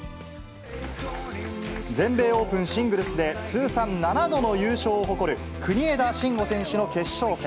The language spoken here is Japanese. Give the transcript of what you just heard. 全米オープンシングルスで通算７度の優勝を誇る、国枝慎吾選手の決勝戦。